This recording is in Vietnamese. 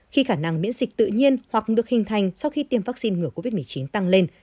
khi khả năng miễn dịch tự nhiên hoặc được hình thành sau khi tiêm vaccine ngừa covid một mươi chín tăng lên